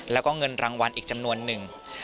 แล้วก็เงินรางวัลอีกจำนวนหนึ่ง